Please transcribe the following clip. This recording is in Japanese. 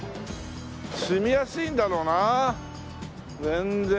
住みやすいんだろうな全然。